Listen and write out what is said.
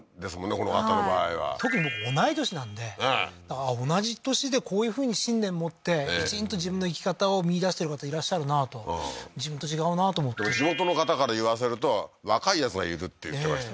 この方の場合は特に僕同い歳なんで同じ歳でこういうふうに信念持ってきちんと自分の生き方を見いだしてる方いらっしゃるなと自分と違うなと地元の方から言わせると若いやつがいるって言ってました